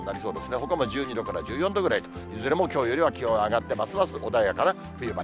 ほかも１２度から１４度ぐらいと、いずれもきょうよりは気温上がって、ますます穏やかな冬晴れ。